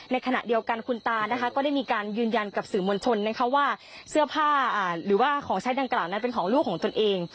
ในขณะเดียวกันคุณตานะคะก็ได้มีการยืนยันกับสื่อมวลชนนะคะว่าเสื้อผ้าหรือว่าของใช้ดังกล่าวนั้นเป็นของลูกของตนเอง